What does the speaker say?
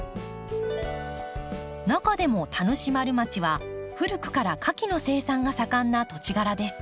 中でも田主丸町は古くから花きの生産が盛んな土地柄です。